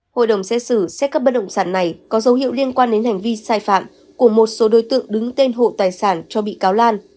hội đồng xét xử xét cấp bất động sản này có dấu hiệu liên quan đến hành vi sai phạm của một số đối tượng đứng tên hộ tài sản cho bị cáo lan